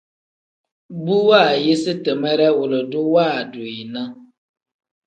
Bu waayisi timere wilidu waadu yi ne.